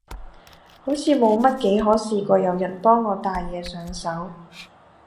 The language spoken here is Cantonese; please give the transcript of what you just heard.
好似冇乜幾可試過有人幫我戴嘢上手